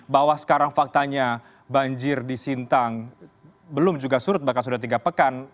bahwa sekarang faktanya banjir di sintang belum juga surut bahkan sudah tiga pekan